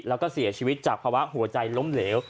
แล้วก็เสียชีวิตจากภาวะหัวใจล้มเหลว